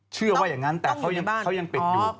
เชื่อว่าอย่างนั้นแต่เขายังปิดอยู่